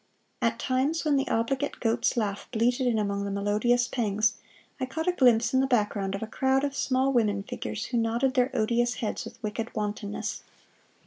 At times when the obligate goat's laugh bleated in among the melodious pangs, I caught a glimpse in the background of a crowd of small women figures who nodded their odious heads with wicked wantonness.